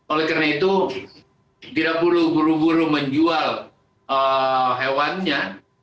oleh karena itu tidak perlu buru buru menjual hewannya